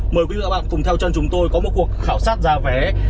mời quý vị và các bạn cùng theo chân chúng tôi có một cuộc khảo sát giá vé